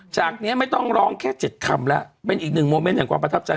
จากนี้ไม่ต้องร้องแค่๗คำแล้วเป็นอีกหนึ่งโมเมนต์แห่งความประทับใจ